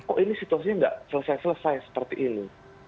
oh ini situasinya nggak selesai selesai seperti ini